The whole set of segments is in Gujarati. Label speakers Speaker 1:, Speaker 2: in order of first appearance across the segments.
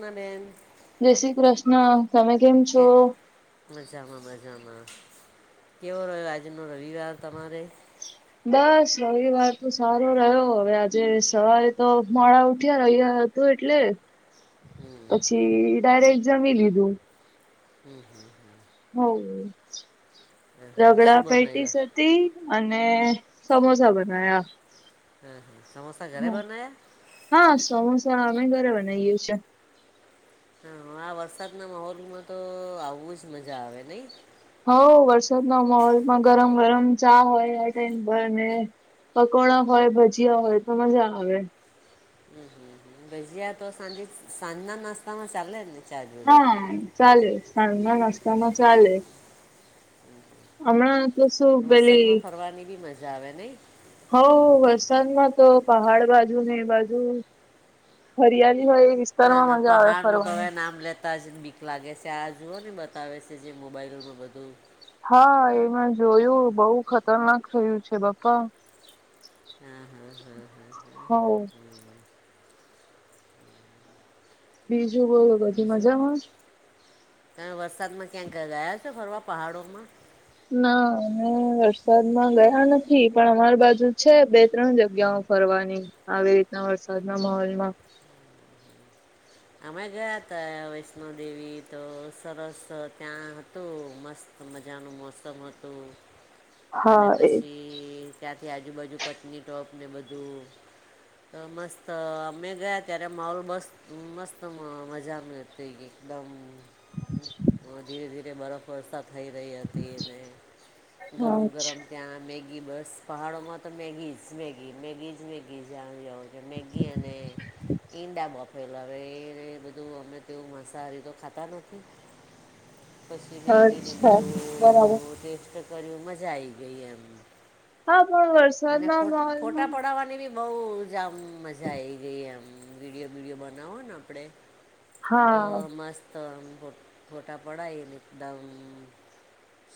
Speaker 1: નાડ [unintelligible]
Speaker 2: જય શ્રી કૃષ્ણ. તમે કેમ
Speaker 1: કે
Speaker 2: છો?
Speaker 1: મજામાં મ. જામાં. કેવો રહ્યો? આજનો રવિવાર તમારે.
Speaker 2: બસ રવિવાર તો સારો રહ્યો, હવે આજે સવારે તો મોડા ઉઠ્યા રહ્યા. ત એટલે
Speaker 1: હમ
Speaker 2: પછી ડાયરેક્ટ જમી લીધું. હ,
Speaker 1: હા, હા.
Speaker 2: રગડા
Speaker 1: શું
Speaker 2: પેટીસ.
Speaker 1: બનાવ્યા
Speaker 2: અને સમોસા બનાયા.
Speaker 1: હા, સમોસા ઘરે
Speaker 2: હમ
Speaker 1: બનાયા.
Speaker 2: હા, સમોસા અમે ઘરે બનાયયું છે.
Speaker 1: હ, આ વરસાદના માહોલમાં તો આવું જ મજા આવે નહી.
Speaker 2: હઉ વરસાદ ના માહોલમાં ગરમ-ગરમ ચા હોય, આ ટાઈમ પર ને. પકોડા હોય, ભજીયા હોય, તો મજા આવે.
Speaker 1: હમ, હમ, ભજીયા તો સાંજે સાંજના નાસ્તા માં ચાલે ને. ચા જોડે
Speaker 2: હા ચાલે, સાજના નાસ્તાના ચાલે. હમણાં તો શું
Speaker 1: વરસાદમાં
Speaker 2: પેલી
Speaker 1: ફરવાની બી મજા આવે નહી.
Speaker 2: હ, વરસાદમાં તો પહાડ બાજુ ને, એ બાજુ. હરિયાલી હોય.
Speaker 1: ના,
Speaker 2: વિસ્તારમાં
Speaker 1: ના,
Speaker 2: મજા આવે
Speaker 1: પહાડ નું તો,
Speaker 2: ફરવાની
Speaker 1: હવે નામ લેતા. બતા જને બીક લાગે છે, આ જુઓ ને બતાવે છે, જે મોબાઈલમાં બધું.
Speaker 2: હા, એમાં જોયું, બઉુ ખતરનાક થયું છે પપ્પા.
Speaker 1: હા હા હા હા હા
Speaker 2: હ.
Speaker 1: હા હા.
Speaker 2: બીજું બોલો?
Speaker 1: મતલબ
Speaker 2: બધી
Speaker 1: બીજું
Speaker 2: મજામાં.
Speaker 1: તમે વરસાદમાં ક્યાંક ગયા છો ફરવા પહાડોમાં?
Speaker 2: ના, અમે વરસાદમાં ગયા નથી, પણ અમારી બાજુ છે, બે-ત્રણ જગ્યાઓ. ફરવાની આવી રીતના વરસાદ ના માહોલ માં.
Speaker 1: અમે ગયા તા, વૈષ્ણો દેવી તો સરસ ત્યાં હતું મસ્ત. હ, મજનોનું મોસમ હો હતું.
Speaker 2: [unintelligible]
Speaker 1: અને
Speaker 2: એ
Speaker 1: પછી ત્યાંથી આજુબાજુ પત્ની ટોપ ને બધું. તો મસ્ત અમે ગયા, ત્યારે માહોલ મસ્ત. મસ્ત મજા મે, એકદમ ધીરે-ધીરે બરફ વર્ષા થઈ રહી હતી, અને ગરમ-ગરમ.
Speaker 2: અચ્છા
Speaker 1: ત્યાં મેગી બસ પહાડોમાં તો, મેગી જ મેગી-મેગી જ, મેગી જ. મેગી અને ઈંડા બપોરે. પેલાવે, એને બધું અમે તે મસાહારી તો ખાતા નથી. પછી મેગીને
Speaker 2: અચ્છા બરાબર
Speaker 1: બધું ટેસ્ટ કર્યું, મજા આ આવી ગઈ એમ.
Speaker 2: હા, પડે વરસાદ.
Speaker 1: અને ફોટા પડવા. ની બી બહુ જામ મજા આઈ ગઈ, એમ વિડીયો બીડીયો બનાવો ને આપડે. તો
Speaker 2: હા
Speaker 1: મસ્ત ફોટા પડાયને, એકદમ.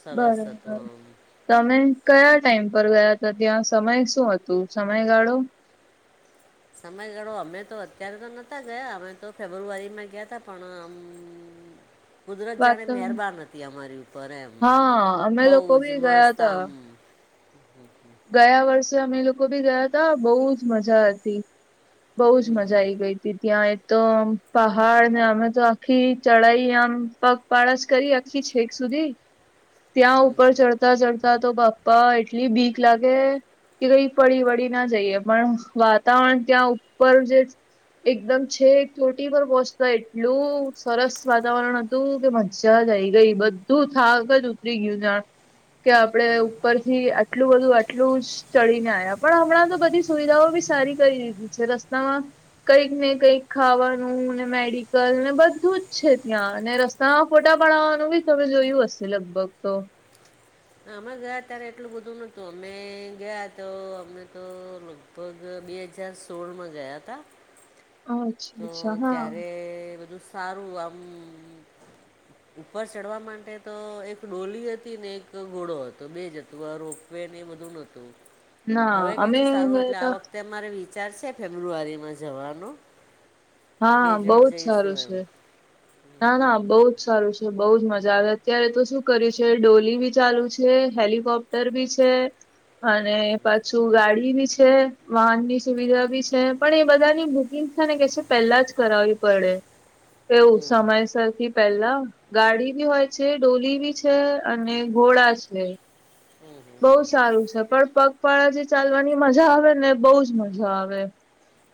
Speaker 1: સરસ
Speaker 2: બરોબર.
Speaker 1: હતું આમ
Speaker 2: તમે કયા ટાઈમ પર ગયા હતા, ત્યાં સમય શું હતું? સમયગાળો.
Speaker 1: સમયગાળો અમે તો અત્યારે તો નહોતા ગયા, અમે તો ફેબ્રુઆરીમાં ગયા તા, પણ આમ કુદરત
Speaker 2: વાત
Speaker 1: જાણે મહેરબાન હતી અમારી ઉપર, એમ
Speaker 2: હા અમે
Speaker 1: બહુ
Speaker 2: લોકો
Speaker 1: જ
Speaker 2: બી ગયા
Speaker 1: મસ્ત
Speaker 2: તા
Speaker 1: આમ. [unintelligible]
Speaker 2: ગયા વર્ષે અમે લોકો બી ગયા હતા, બહુ જ મજા હતી. બઉુ જ
Speaker 1: હમ
Speaker 2: મજા
Speaker 1: હમ.
Speaker 2: આઈ ગઈ. ત્યાં એ તો પહાડ ને, અમે તો આખી ચઢાઈ આમ પગ પાળા જ કરી, આખી છેક સુધી. ત્યાં ઉપર ચડતા-ચડતા તો, બાપ્પા એટલી બીક લાગે. કે કઈ પડી વળી ના જઈએ, પણ વાતાવરણ ત્યાં ઉપર જે એકદમ છેક ચોટી પર પહોંચતા, એટલું સરસ વાતાવરણ હ. તું કે મજ્જા જ આઈ ગઈ, બધું થાક જ ઉતરી ગયું જાણે. કે આપડે ઉપરથી આટલું બધું આટલું જ. ચડીને આપ્યા, પણ હમણાં તો બધી સુવિધાઓ બી સારી કરી દીધી છે રસ્તામાં. કંઈક ને કઈક ખાવાનું ને, મેડિકલ ને બધું જ છે, ત્યાં ને રસ તામાં ફોટા પાડાવવાનું બી તમે જોયું હશે, લગભગ તો.
Speaker 1: આમાં ગયા ત્યારે એટલું બધું નતું, અમે ગયા તો અમને તો. લગભગ બે હજાર સોળમાં ગયા હતા.
Speaker 2: હ.
Speaker 1: તો ત્યારે બધું સારું આમ.
Speaker 2: [unintelligible]
Speaker 1: ઉપર ચડવા માટે તો એક ડોલી હતી ને, એક ઘોડો હતો બે જ હતો રોપ. વેને બધું નોતું,
Speaker 2: ના
Speaker 1: હવે કે
Speaker 2: અમે
Speaker 1: છે, સારું
Speaker 2: ગયા
Speaker 1: એટલે આ
Speaker 2: તા
Speaker 1: વખતે. મારે વિચાર છે, ફેબ્રુઆરીમાં જવાનો.
Speaker 2: હા,
Speaker 1: બે
Speaker 2: બહુ
Speaker 1: જણ
Speaker 2: જ
Speaker 1: જઈશું
Speaker 2: સારું
Speaker 1: એમ
Speaker 2: છે. ના, ના બહુ જ સારું છે, બઉ જ મજા આવે, અત્યારે તો શું કર છે, ડોલી બી ચાલુ છે, હેલિકોપ્ટર. બી છે. અને પાછું ગાડી બી છે, વાહનની સુવિધા બી છે, પણ એ બધાની બુકિંગ છે, ને કે છે, પેલા જ કરાવવી પડે, એવું
Speaker 1: હમ હમ
Speaker 2: સમયસરથી. પેલા ગાડી બી હોય છે, ડોલી બી છે, અને ઘોડા છે.
Speaker 1: હમ
Speaker 2: બહુ સારું છે, પણ પગપાળા જે ચાલવાની મજા આવે ને, બહુ જ મજા આવે.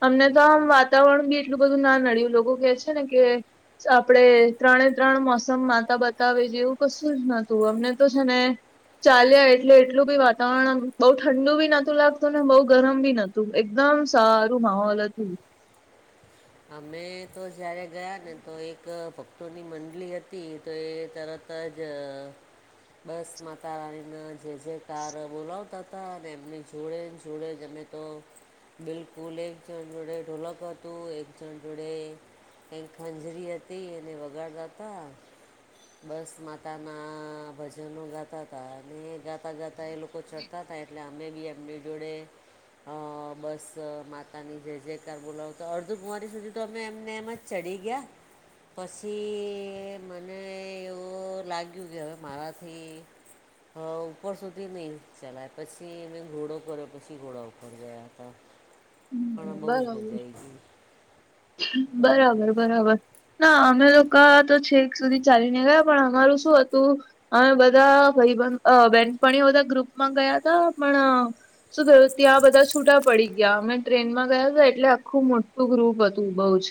Speaker 2: અમને તો આમ વાતાવરણ બી એટલું બધું ના નડ્યું, લોકો કે છે ને કે. આપણેે ત્રણે-ત્રણ મોસમ માતા બતાવે, જેવું કશું જ નતું, અમને તો છે ને. ચાલ્યા, એટલે એટલું બી વાતાવરણ બઉુ ઠંડુ બી નતું લાગતું, ને બહુ ગરમ બી નતું. એકદમ સારું, માહોલ હતું.
Speaker 1: અમે તો જયારે ગયા ને, તો એક ભક્તોની મંડલી હતી, તો એ તરત જ. બસ માતા રાણીના જે જે કાર બોલાવતા હતા, અને એમની જોડે ને, જોડે જમે. તો બિલકુલ, એક જણ જોડે ઢોલક હતું. એક જણ જોડે કઈ ખંજરી હતી, અને વગાડતા હતા. બસ માતા ના ભજનો ગાતા હતા, અને ગાતા ગાતા, એ લોકો ચડ તા હતા, એટલે અમે બી એમની જોડે. અ બસ માતાની જે જેય કાર બોલાવતા અડધું હું અને સુધીર તો અમે એમને એમ જ ચડી ગયા. પછી મને એવું લાગ્યું કે, હવે મારાથી હા, ઉપર સુધી નહીં ચલાય પ, છી મેં ઘોડો કર્યો, પછી ઘોડા ઉપર ગયા હતા.
Speaker 2: [unintelligible]
Speaker 1: પણ આ બઉુ જ
Speaker 2: બરાબર
Speaker 1: મજા આવી તી.
Speaker 2: બરાબર, બરાબર. ના, અમે લોકો તો છેક સુધી ચાલી ને ગયા, પણ અમારું શું હતું. અમે બધા ભાઈબંધ બેનપણી બધા ગ્રુપમાં ગયા હતા, પણ શું ગયા? ત્યાં બધા છૂટા પડી ગયા, અમે ટ્રેનમાં ગયા હતા, એટલે આખું મોટું ગ્રુપ હતું. બહુ જ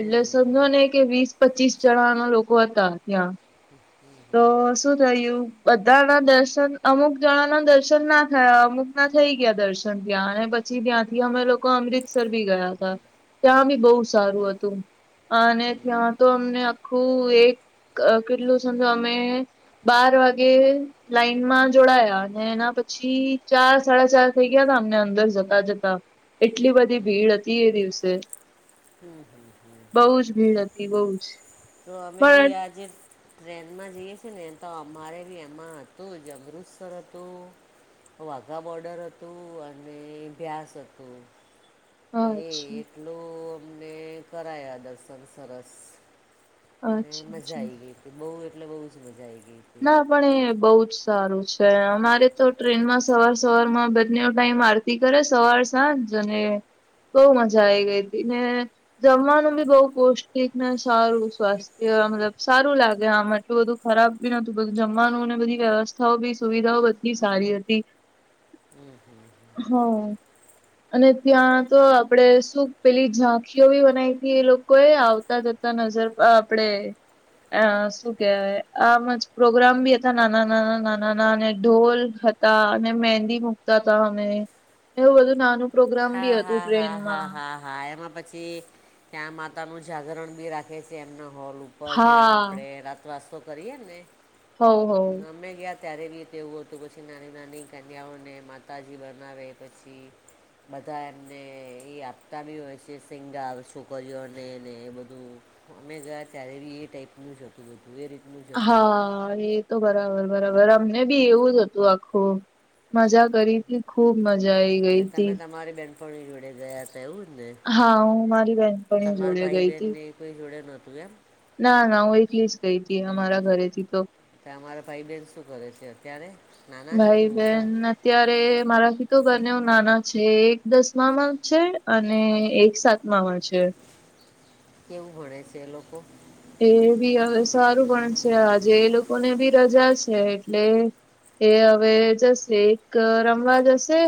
Speaker 2: એટલે સમજો ને કે, વીસ-પચીસ જણાના લોકો હતા ત્યાં. તો શું થયું? બધા ના દર્શન અમુક જણા ના, દર્શન ના થયા, અમુક ના થઈ ગયા, દર્શન તયા અને પછી ત્યાંથી અમે લોકો અમૃતસર બી ગયા હતા, ત્યાં બી બહુ સારું હતું. અને ત્યાં તો અમને આખું એક કેટલું સમજો અમે. બાર વાગે. લાઈન માં જોડાયા, અને એના પછી ચાર સાડા, ચાર થઈ ગયા તા, અમને અંદર જતા-જતા. એટલી બધી ભીડ હતી, એ દિવસે.
Speaker 1: હમ, હમ, હમ.
Speaker 2: બઉુ જ ભીડ હતી, બઉુ જ.
Speaker 1: તો અમે
Speaker 2: પણ
Speaker 1: બી આજે. ટ્રેનમાં જઈએ છેએ ને, તો અમારે બી એમાં હતું જ, અમૃતસર હતું. વાઘા બોર્ડર હતું, અને ભ્યાસ હતું. એ
Speaker 2: અચ્છા
Speaker 1: એટલું અમને કરાયા દર્શન સરસ. અને
Speaker 2: અચ્છા
Speaker 1: મજા
Speaker 2: અચ્છા
Speaker 1: આઈ ગઈ હતી, બહુ એટલે બઉુ જ મજા આ આવી ગઈ. હતી
Speaker 2: ના. પણ એ બહ જ સારું છે, અમારે તો ટ્રેનમાં સવાર સવાર માં બંને ટાઈમ આ. કરે સવાર-સાંજ, અને બહુ મજા આવી ગઈ હતી ને. જમવાનું બી બહુ પૌષ્ટિક ને સારું સ્વાસ્થ્ય, મતલબ સારું લાગે, આમાં એટલું બધું ખરાબ. બી ન હતું, જમવાનું અને બધી વ્યવસ્થાઓ બી સુવિધાઓ બધી સારી હતી.
Speaker 1: હમ, હમ.
Speaker 2: હા. અને ત્યાં તો આપણેે શું પેલી ઝાંખીઓ બી બનાવી હતી, એ લોકો એ આવતા જ. નજર આપડે અ શું કેહેવાય? આમ જ પ્રોગ્રામ બી હતા, નાના-નાના, નાના ના અને ઢોલ હતા, અને મહેંદી મુ. ત અમે એવું બધું નાનું પ્રોગ્રામ બી
Speaker 1: હા
Speaker 2: હતું,
Speaker 1: હા હા હા
Speaker 2: ટ્રેનમાં.
Speaker 1: હા હા, એમાં પછી ત્યાં માતાનું જાગરણ બી રાખે છે, એમના હોલ ઉપર. ઉપ જ્યાં
Speaker 2: હા
Speaker 1: આપે રાતવાસ તો કરીએ ને,
Speaker 2: હો હો
Speaker 1: અમે ગયા. ત્યારે બી તેવું હતું, પછી નાની-નાની કન્યાઓને માતાજી બનાવે, પછી બધા એમને એ આપતા બી હોય છે, સિંગાર છોકરીઓને ને એ બધું. અમે ગયા ત્યારે બી એ ટાઈપ નું જોતું બધું. એ રીતનું જ હતું
Speaker 2: હા, એ. તો બરાબર, બરાબર અમને બી એવું જ હતું, આખું મજા કરી. ખુબ મજા આઈ ગઈ તી.
Speaker 1: આપણી જોડે ગયા હતા, એવું જ ને.
Speaker 2: હા, હું મારી બેહેનપણી
Speaker 1: તમારા
Speaker 2: જોડે
Speaker 1: ભાઈ
Speaker 2: ગઈ હતી.
Speaker 1: બહેનને કોઈ જોડે નહોતું એમ.
Speaker 2: ના, ના, હું એકલી જ ગઈ હતી, અમારા ઘરેથી તો‌.
Speaker 1: કે અમારા ભાઈ બહેન શું કરે છે? અત્યારે નાના છે કે, મોટા.
Speaker 2: ત્યારે મારાથી તો બંને નાના છે, એક દસમામાં છે, અને એક સાત. ના છે.
Speaker 1: કેવું ભણે છે? એ લોકો.
Speaker 2: એ બી હવે સારું પણ છે, આજે એ લોકોને બી રજા છે, એટલે. એ હવે જશે, એક રમવા જશે.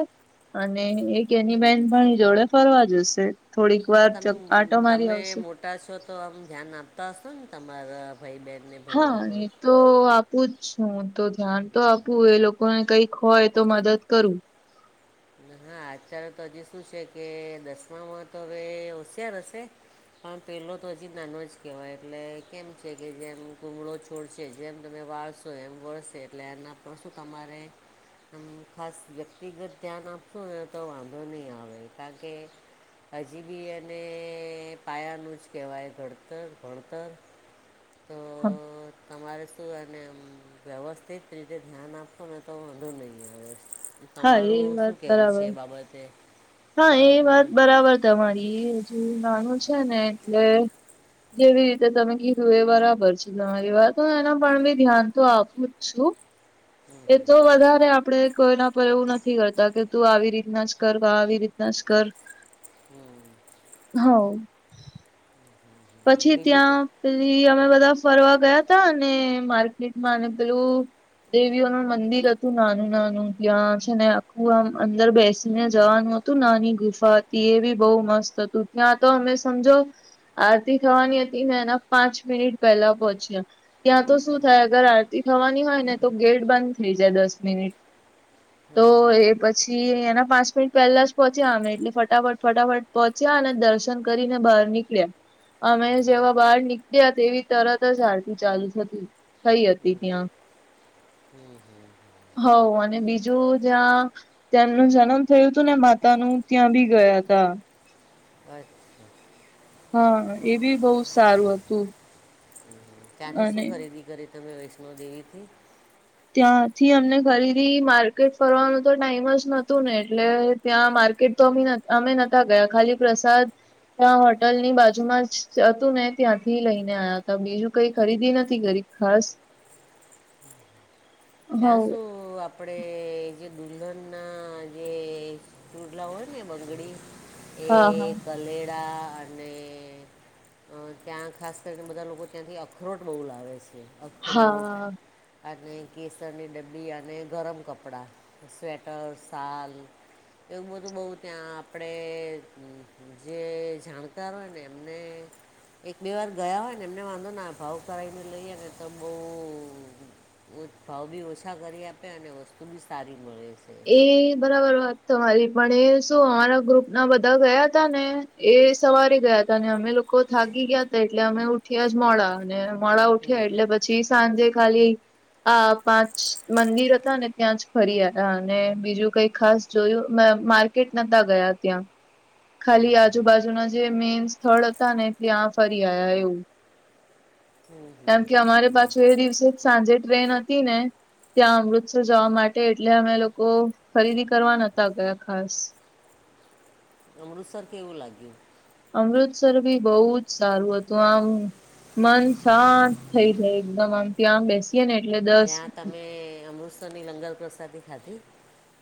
Speaker 2: અને એક એની બેન ભણી જોડે, ફરવા જશે. થોડીક
Speaker 1: તો
Speaker 2: વાર કાંટો
Speaker 1: તમે
Speaker 2: મારી
Speaker 1: તમે
Speaker 2: આવશે.
Speaker 1: મોટા છો, તો આમ ધ્યાન આપતા હશો ને, તમારા ભાઈ-બહેન.
Speaker 2: હા. તો આપું જ, હું તો ધ્યાન તો આપું એ લોકોને કંઈક હોય તો, મદદ કરું.
Speaker 1: હા, અત્યારે તો હજી શું છે કે? દસમામાં તો અવે હોશિયાર હશે. પણ પેલો તો હજી નાનો જ કેવાય, એટલે કેમ છે કે, જેમ ગુમળો છોડશે, જેમ તમે વાસ તો એમ વળસે, એટલે એના પર શું તમારે ખાસ વ્યક્તિગત ધ્યાન આપશો ને, તો વાંધો નઈ આવે, કારણ કે હજીબી એને પાયાનું જ કેવાય, ઘણતર-ભણતર. તો તમારે શું? અને એમ. વ્યવસ્થિત રીતે ધ્યાન આપો ને, તો વાંધો નહીં આવે.
Speaker 2: હા એ
Speaker 1: તમારું
Speaker 2: વાત
Speaker 1: શું કેવું છે
Speaker 2: બરાબર
Speaker 1: એ બાબતે?
Speaker 2: હા, એ વાત
Speaker 1: બાળકોને
Speaker 2: બરાબર, તમારી એ હજુ નાનું છે ને, એટલે. જેવી રીતે તમે કીધું એ બરાબર છે તમારી વાત. હું એના પર બી ધ્યાન તો આપું જ છું. એ તો વધારે આપડે કોઈના એવું નથી કરતા કે, તું આવી રીતના જ કર આવી રીતના જ કરે. હવે. પછી
Speaker 1: બીજી ક-
Speaker 2: ત્યાં પેલી અમે બધા ફરવા ગયા હતા, અને માર્કેટમાં અને પેલું દેવીઓનું મંદિર હતું, નાનું-નાનું ત્યાં છે ને, આખું આમ અંદર બેસીને જવાનું હતું. તું નાની ગુફા હતી, એ બી બહુ મસ્ત હતું, ત્યાં તો અમે સમજો. આરતી થવાની હતી ને, એના પાંચ મિનિટ પહેલા પહોંચ્યા. ત્યાં તો શું થાય? અગર આરતી થવાની હોય ને, તો ગેટ બંધ થઈ જાય, દસ મિનિટ. તો
Speaker 1: હં હં
Speaker 2: એ પછી એના પાંચ મિનિટ પેલા જ પહોંચ્યિ જવાનું, એટલે ફટાફટ-ફટાફટ પહોંચ્યા, અને દર્શન કરીને બહાર નીકળ્યા. અમે જેવા બહાર નીકળ્યા, તેવી તરત જ આરતી ચાલુ થતી હતી. થઈ હતી ત્યાં. હવે, અને બીજું જ્યાં તેમનું જન્મ થયું હતું ને, માતા નું ત્યાં બી ગયા હતા.
Speaker 1: અચ્છા
Speaker 2: હા, એ બી બોઉ સારું હતું.
Speaker 1: ત્યાંથી શું
Speaker 2: અને
Speaker 1: ખરીદી કરી? તમે વૈષ્ણોદેવીથી.
Speaker 2: ત્યાંથી અમને ખરીદી માર્કેટ ફરવાનું તો, ટાઈમ જ નતું ને, એટલે. ત્યાં માર્કેટમાં તો અમે નતા ગયા, ખાલી પ્રસાદ. ત્યાં હોટલની બાજુમાં જ હતું ને, ત્યાંથી લઈને આવ્યા હતા. બીજું કઈ ખરીદી નથી કરી. ખાસ. હ
Speaker 1: ત્યાં
Speaker 2: હા
Speaker 1: શું આપણેે? જે દુલ્હન ના જે રૂડલા હોય ને, બંગડી
Speaker 2: હા
Speaker 1: એ કલેડા અને ત્યાં ખાસ કરીને, બધા લોકો ત્યાંથી અખરોટ બોઉ લાવે છે. અખરોટ
Speaker 2: હા
Speaker 1: અને કેસરની ડબ્બી અને ગરમ કપડાં સ્વેટર શાલ એવું બધું બોઉ ત્યાં આપણે જે જાણકાર હોય ને, એમને એક, બે વાર ગયા હોય ને, એમને વાંધો ના આવે, ભાવ કરાવીને લઈએ ને, તો બોઉ ભાવબી ઓછા કરી આપે, અને વસ્તુબી સારી મળે છે.
Speaker 2: એ બરાબર વાત તમારી, પણ એ શું અમારા ગ્રુપના બધા ગયા હતા ને. એ સવારે ગયા હતા, અને અમે લોકો થાગી ગયા હતા, એટલે અમે ઉઠ્યા જ મોડા અને મોડા
Speaker 1: હમ,
Speaker 2: ઉઠ્યા, એટલે પછી સાંજે ખાલી આ પાંચ મંદિર હતા ને, ત્યાં જ ફરી. અને બીજું કઈ ખાસ જોયું, માર્કેટ નતા ગયા ત્યાં.
Speaker 1: હમ,
Speaker 2: ખાલી
Speaker 1: હમ,
Speaker 2: આજુબાજુના જે મેન સ્થળ હતા ને, ત્યાં ફરી આવ્યા એવું.
Speaker 1: હમ,
Speaker 2: કેમ
Speaker 1: હમ,
Speaker 2: કે
Speaker 1: હમ,
Speaker 2: અમારે
Speaker 1: હમ.
Speaker 2: પાછું એ દિવસે જ સાંજે ટ્રેન હતી ને. ત્યાં અમૃતસર જવા માટે, એટલે અમે લોકો ખરીદી કરવા નતા ગયા ખાસ.
Speaker 1: અમૃતસર કેવું લાગ્યું?
Speaker 2: અમૃતસર બી બોઉ જ સારું હતું, આમ. મન શાંત થઇ જાય એકદમ, આમ ત્યાં બેસી
Speaker 1: ત્યાં તમે અમૃતસરની લંગર પ્રસાદી ખાધી?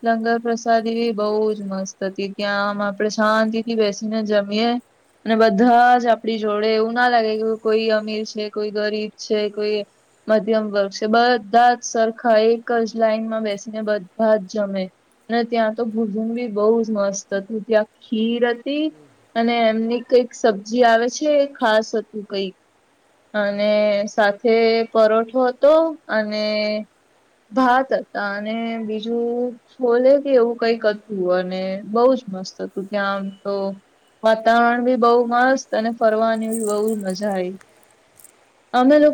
Speaker 2: લંગર પ્રસાદી, એવી બહુ જ મસ્ત હતી, ત્યા આમ આપડે શાંતિ થી બેસીને જમીએ. અને બધા જ આપડી જોડે એવું ના લાગે કે, કોઈ અમીર છે, કોઈ ગરીબ છે, કોઈ મધ્યમ વર્ગ છે, બધા જ સરખા એક જ લાઈનમાં બેસીને બધા જ. જમે અને ત્યાં તો બી બહુ જ મસ્ત હતું, ત્યાં ખીર હતી. અને એમની કઈક સબ્જી આવે છે, એ ખાસ હતું કઈક. અને સાથે પરોઠો હતો, અને ભાત હતા, અને બીજું છોલે કે એવું કઈક હતું, અને બઉ જ મસ્ત હતું, ત્યાં આમ તો. વાતાવરણ બી બહુ મસ્ત, અને ફરવાની બી બહુ મજા આવી. અમે
Speaker 1: હમ
Speaker 2: લોકો